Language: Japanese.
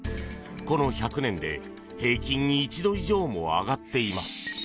この１００年で平均１度以上も上がっています。